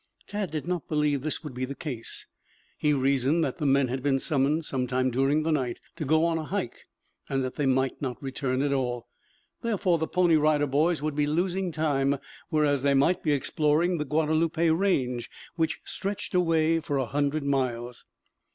Tad did not believe this would be the case. He reasoned that the men had been summoned some time during the night to go on a hike, and that they might not return at all; therefore the Pony Rider Boys would be losing time, whereas they might be exploring the Guadalupe range, which stretched away for a hundred miles.